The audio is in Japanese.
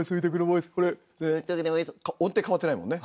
音程変わってないもんね。